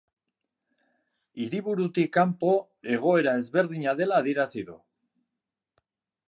Hiriburutik kanpo egoera ezberdina dela adierazi du.